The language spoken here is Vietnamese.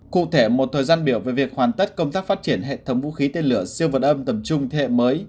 cụ thể một thời gian biểu về việc hoàn tất công tác phát triển hệ thống vũ khí tên lửa siêu vật âm tầm trung thế hệ mới